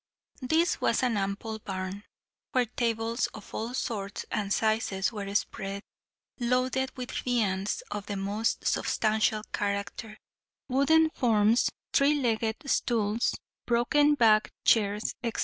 This was an ample barn, where tables of all sorts and sizes were spread, loaded with viands of the most substantial character: wooden forms, three legged stools, broken backed chairs, etc.